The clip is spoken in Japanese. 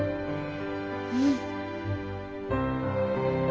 うん。